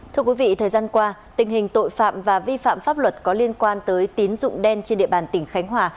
thưa quý vị thời gian qua tình hình tội phạm và vi phạm pháp luật có liên quan tới tín dụng đen trên địa bàn tỉnh khánh hòa